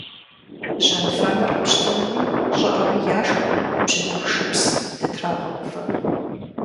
Жьэнфэныр пщтыруи щӀыӀэуи яшх, бжьыныху шыпс дытрагъэувэ.